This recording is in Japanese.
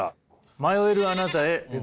「迷えるあなたへ哲学を」。